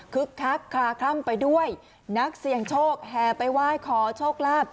คักคลาคล่ำไปด้วยนักเสี่ยงโชคแห่ไปไหว้ขอโชคลาภ